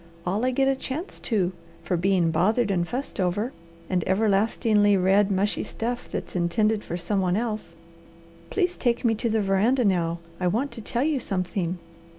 "All I get a chance to, for being bothered and fussed over, and everlastingly read mushy stuff that's intended for some one else. Please take me to the veranda now; I want to tell you something."